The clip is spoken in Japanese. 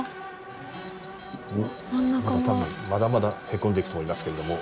多分まだまだへこんでいくと思いますけれども。